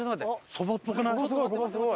そばっぽくない？